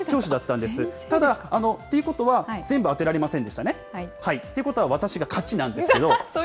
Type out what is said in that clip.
ただ、ということは、全部当てられませんでしたね。ということは私が勝ちなんですけど。